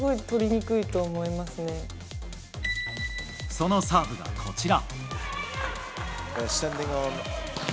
そのサーブがこちら。